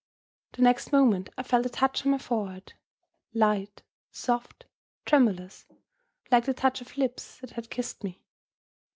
The next moment I felt a touch on my forehead light, soft, tremulous, like the touch of lips that had kissed me.